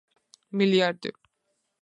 მილიარდი